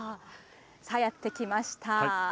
やってきました。